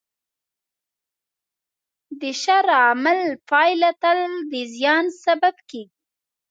د شر عمل پایله تل د زیان سبب کېږي.